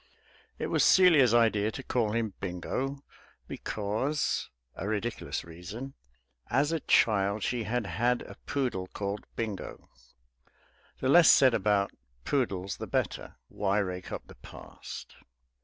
It was Celia's idea to call him Bingo; because (a ridiculous reason) as a child she had had a poodle called Bingo. The less said about poodles the better; why rake up the past?